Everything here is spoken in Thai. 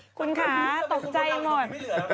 โหคุณขาตกใจหมด